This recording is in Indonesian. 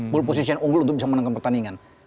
ball position unggul untuk bisa menangkan pertandingan